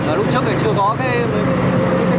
ở lúc trước thì chưa có cái cột kia